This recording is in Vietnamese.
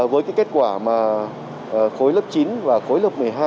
với cái kết quả mà khối lớp chín và khối lớp một mươi hai